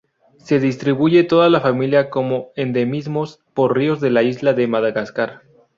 Se distribuye toda la familia como endemismos por ríos de la isla de Madagascar.